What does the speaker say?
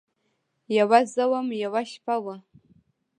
یوه زه وم ، یوه شپه وه